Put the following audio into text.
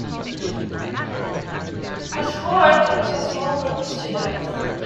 The school opened to a small group of students.